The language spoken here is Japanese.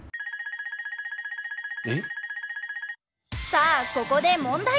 さあここで問題！